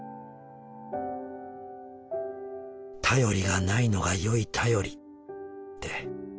『便りがないのがよい便り』って